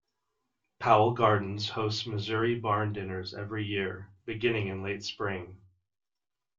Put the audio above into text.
Powell Gardens hosts Missouri Barn Dinners every year, beginning in late spring.